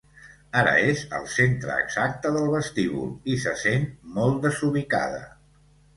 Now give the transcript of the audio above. Ara és al centre exacte del vestíbul i se sent molt desubicada.